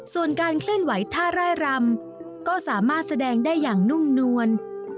ส่วนการเคลื่อนไหวท่าร่ายรำก็สามารถแสดงได้อย่างนุ่มนวล